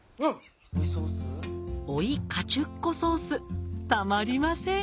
追いカチュッコソースたまりません